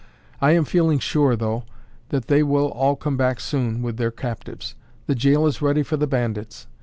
I am feeling sure, though, that they will all come back soon with their captives. The jail is ready for the bandits.